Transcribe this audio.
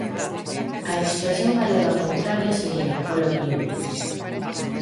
A expresión galega contraria sería "polo miúdo".